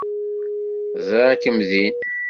Ẓriɣ-kem din.